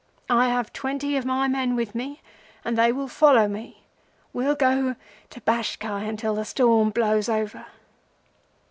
I have twenty of my men with me, and they will follow me. We'll go to Bashkai until the storm blows over.